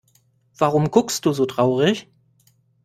Warum guckst du so traurig?